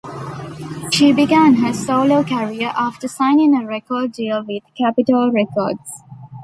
She began her solo career after signing a record deal with Capitol Records.